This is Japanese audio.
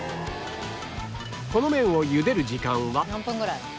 この麺を茹でる時間は